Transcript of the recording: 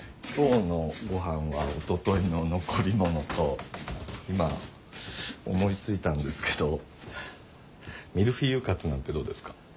今日のごはんはおとといの残りものと今思いついたんですけどミルフィーユカツなんてどうですか？